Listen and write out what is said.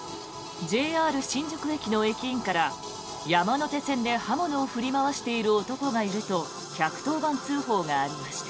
ＪＲ新宿駅の駅員から山手線で刃物を振り回している男がいると１１０番通報がありました。